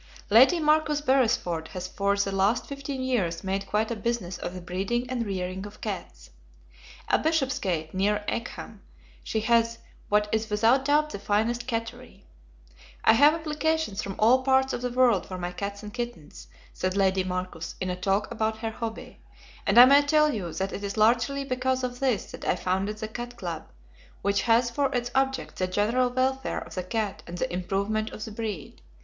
Lady Marcus Beresford has for the last fifteen years made quite a business of the breeding and rearing of cats. At Bishopsgate, near Egham, she has what is without doubt the finest cattery. "I have applications from all parts of the world for my cats and kittens," said Lady Marcus, in a talk about her hobby, "and I may tell you that it is largely because of this that I founded the Cat Club, which has for its object the general welfare of the cat and the improvement of the breed.